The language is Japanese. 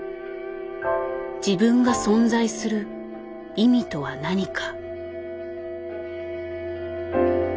自分が存在する意味とは何か。